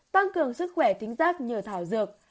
tăng cường sức khỏe tính giác